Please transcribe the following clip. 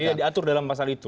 dia diatur dalam pasal itu